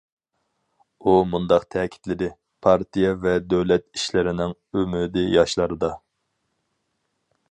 ئۇ مۇنداق تەكىتلىدى: پارتىيە ۋە دۆلەت ئىشلىرىنىڭ ئۈمىدى ياشلاردا.